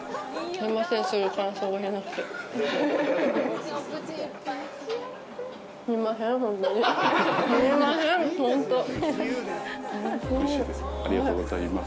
ありがとうございます。